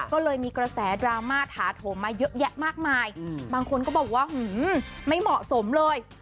ก็เลยมีกระแสดราม่าถาโถมมาเยอะแยะมากมายบางคนก็บอกว่าไม่เหมาะสมเลย